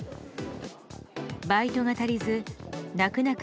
バイトが足りず泣く泣く